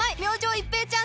一平ちゃーん！